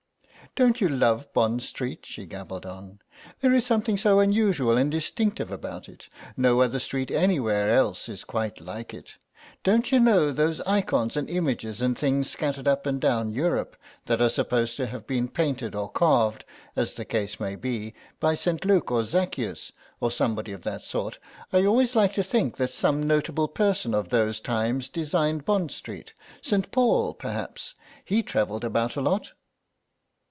"Don't you love Bond Street?" she gabbled on. "There's something so unusual and distinctive about it; no other street anywhere else is quite like it. Don't you know those ikons and images and things scattered up and down Europe, that are supposed to have been painted or carved, as the case may be, by St. Luke or Zaccheus, or somebody of that sort; I always like to think that some notable person of those times designed Bond Street. St. Paul, perhaps. He travelled about a lot."